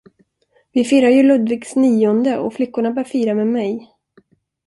Vi firar ju Ludvigs nionde och flickorna bör fira med mig.